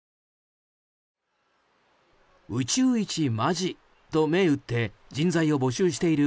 宇宙一マジと銘打って人材を募集している